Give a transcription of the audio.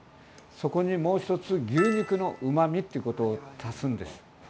そこにもう一つ牛肉のうまみってことを足すんです。